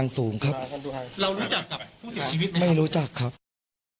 แล้วก็ได้คุยกับนายวิรพันธ์สามีของผู้ตายที่ว่าโดนกระสุนเฉียวริมฝีปากไปนะคะ